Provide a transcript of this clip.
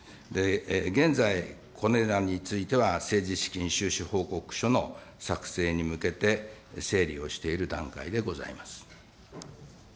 現在、これらについては政治資金収支報告書の作成に向けて、整理をしている段階でございます。